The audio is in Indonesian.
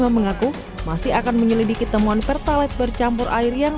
satu ratus tiga puluh lima mengaku masih akan menyelidiki temuan pertalat bercampur air yang